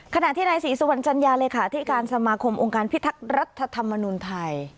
ขณะที่นายศรีสุวรรณจัญญาเลขาธิการสมาคมองค์การพิทักษ์รัฐธรรมนุนไทย